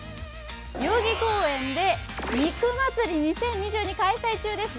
代々木公園で肉祭２０２２が開催中です。